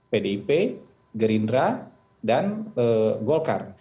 pdip gerindra dan golkar